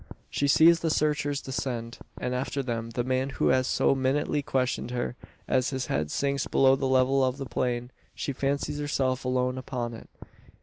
She sees the searchers descend; and, after them, the man who has so minutely questioned her. As his head sinks below the level of the plain, she fancies herself alone upon it.